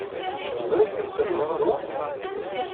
Tzemremt ad tseggmemt wa?